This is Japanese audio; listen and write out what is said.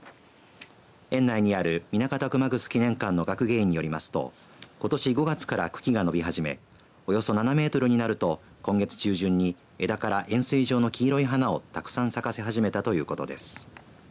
園内にある南方熊楠記念館の学芸員によりますとことし５月から茎が伸び始めおよそ７メートルになると今月中旬に枝から円すい状の黄色い花をたくさん咲かせ始めたということです。